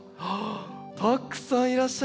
たくさんいらっしゃいますね！